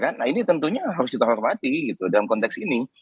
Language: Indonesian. nah ini tentunya harus kita hormati gitu dalam konteks ini